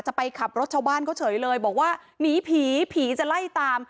จะไปขับรถชาวบ้านเขาเฉยเลยบอกว่าหนีผีผีจะไล่ตาม